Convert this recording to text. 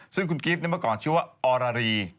ซึ่งคุณกิ๊ฟเนี่ยเมื่อก่อนชื่อว่า